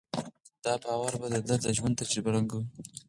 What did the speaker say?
دا باور د ده د ژوند تجربه رنګوي.